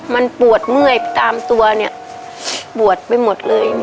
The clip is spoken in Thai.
มันปวดเมื่อยตามตัวเนี่ยปวดไปหมดเลย